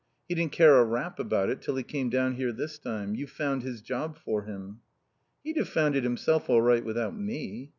He didn't care a rap about it till he came down here this last time. You've found his job for him." "He'd have found it himself all right without me."